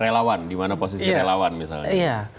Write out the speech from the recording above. relawan di mana posisi relawan misalnya